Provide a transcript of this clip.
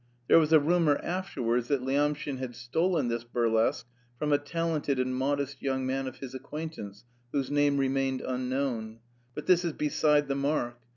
There was a rumour afterwards that Lyamshin had stolen this burlesque from a talented and modest young man of his acquaintance, whose name remained unknown. But this is beside the mark.